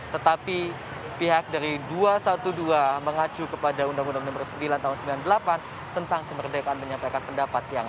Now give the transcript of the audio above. tetapi pihak dari dua ratus dua belas mengacu kepada undang undang nomor sembilan tahun seribu sembilan ratus sembilan puluh delapan tentang kemerdekaan menyampaikan pendapat yang